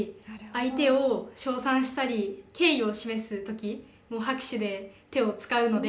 相手を称賛したり敬意を示す時も拍手で手を使うので。